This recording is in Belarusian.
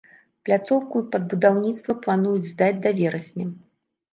Пляцоўку пад будаўніцтва плануюць здаць да верасня.